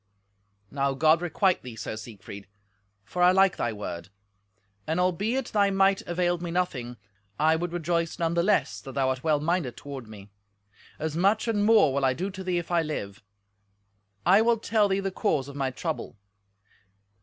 "Now God requite thee, Sir Siegfried, for I like thy word; and albeit thy might availed me nothing, I would rejoice none the less that thou art well minded toward me; as much and more will I do to thee if I live. I will tell thee the cause of my trouble.